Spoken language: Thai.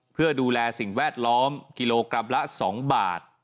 เพื่อดูแลสิ่งแวดล้อมกิโลกรัมละ๒บาท